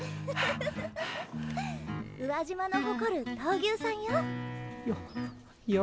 宇和島の誇る闘牛さんよ。よ